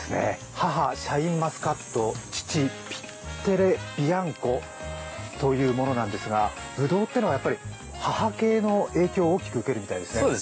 母、シャインマスカット、父、ピッテロ・ビアンコというものなんですが、ぶどうというのは母系の影響を大きく受けるようですね。